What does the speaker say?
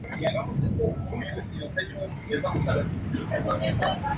Sin embargo, al cabo de varios meses, resolvió volver a su país.